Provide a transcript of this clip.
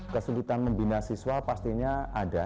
kesulitan membina siswa pastinya ada